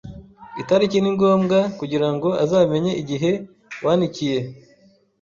Itariki ni ngombwa kugirango azamenyeigihe wanikiye